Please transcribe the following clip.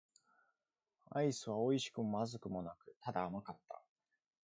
アイスは美味しくも不味くもなく、ただ甘かった。